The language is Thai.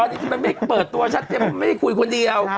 มันมันไม่เปิดตัวชัดไม่ได้คุยคนเดียว